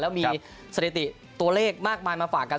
แล้วมีสถิติตัวเลขมากมายมาฝากกัน